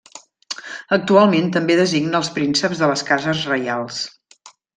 Actualment també designa als prínceps de les cases reials.